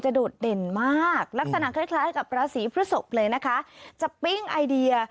โดดเด่นมากลักษณะคล้ายคล้ายกับราศีพฤศพเลยนะคะจะปิ้งไอเดีย